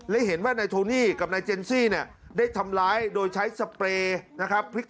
และเห็นว่านายโทนี่กับนายเจนซี่เนี่ยได้ทำร้ายโดยใช้สเปรย์นะครับ